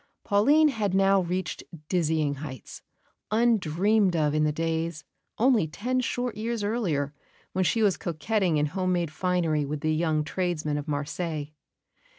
Pauline had now reached dizzy heights, undreamed of in the days, only ten short years earlier, when she was coquetting in home made finery with the young tradesmen of Marseilles.